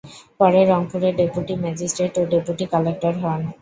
পরে রংপুরের deputy magistrate ও ডেপুটি কালেক্টর হন।